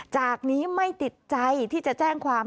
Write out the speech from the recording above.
จากนี้ไม่ติดใจที่จะแจ้งความ